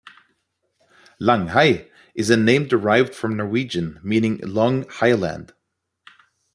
Langhei is a name derived from Norwegian meaning "long highland".